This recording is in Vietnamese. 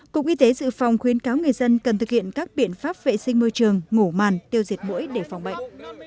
cục y tế dự phòng khuyến cáo người dân cần thực hiện các biện pháp vệ sinh môi trường ngủ màn tiêu diệt mũi để phòng bệnh